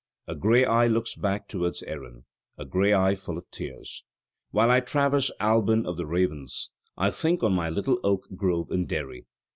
"A grey eye looks back towards Erin; a grey eye full of tears. "While I traverse Alban of the ravens, I think on my little oak grove in Derry.